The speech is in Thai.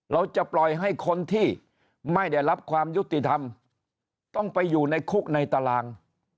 เราจะปล่อยให้คนที่ไม่ได้รับความยุติธรรมต้องไปอยู่ในคุกในตาราง